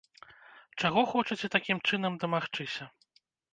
Чаго хочаце такім чынам дамагчыся?